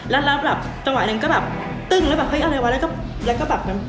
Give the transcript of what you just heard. แล้วตะวันหนึ่งก็ตึ้งแล้วอะไรวะแล้วก็แบบนี้